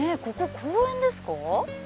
ここ公園ですか？